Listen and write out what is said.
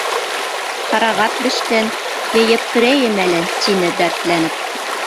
— Ҡарағат бешкән, йыйып керәйем әле, — тине, дәртләнеп.